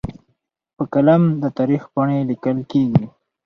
په قلم د تاریخ پاڼې لیکل کېږي.